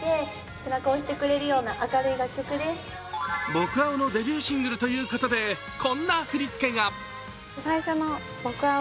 僕青のデビューシングルということでこんな振り付けが。